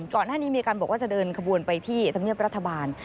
ก่อนหน้านี้มีการบอกว่าจะเดินขบวนไปที่ธรรมเนียบรัฐบาล